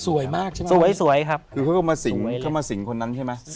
สวยมากใช่ไหมครับคือเขาเข้ามาสิงคนนั้นใช่ไหม